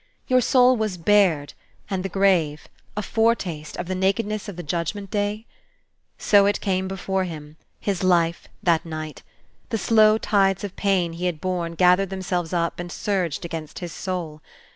your soul was bared, and the grave, a foretaste of the nakedness of the Judgment Day? So it came before him, his life, that night. The slow tides of pain he had borne gathered themselves up and surged against his soul.